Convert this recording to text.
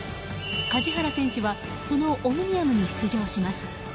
梶原選手はそのオムニアムに出場します。